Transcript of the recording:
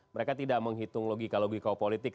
mereka tidak menghitung logika logika politik